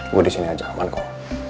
gue di sini aja aman kok